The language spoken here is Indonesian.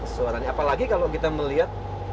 suaranya apalagi kalau kita melihat